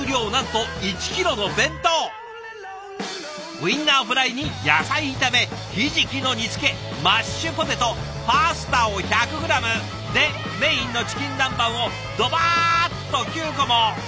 ウインナーフライに野菜炒めひじきの煮つけマッシュポテトパスタを１００グラムでメインのチキン南蛮をドバーッと９個も。